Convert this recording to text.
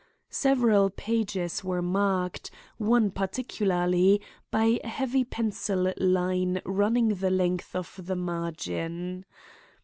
Several passages were marked, one particularly, by a heavy pencil line running the length of the margin.